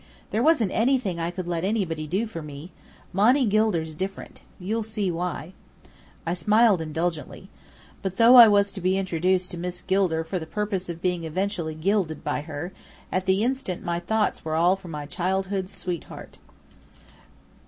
There wasn't anything I could let anybody do for me. Monny Gilder's different. You'll soon see why." I smiled indulgently. But, though I was to be introduced to Miss Gilder for the purpose of being eventually gilded by her, at the instant my thoughts were for my childhood's sweetheart.